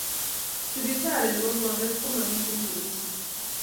sipitali ne bo Bomet komamiten kerichek